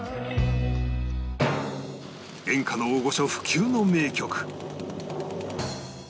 演歌の大御所不朽の名曲